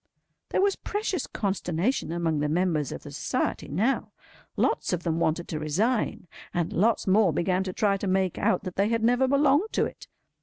There was precious consternation among the members of the Society, now. Lots of them wanted to resign, and lots more began to try to make out that they had never belonged to it.